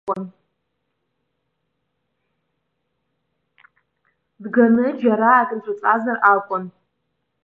Дганы џьара акриҿаҵазар акәын.